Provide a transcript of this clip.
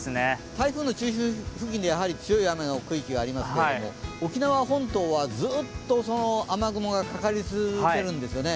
台風の中心付近では強い雨の区域がありますけれども、沖縄本島はずっと雨雲がかかり続けるんですよね。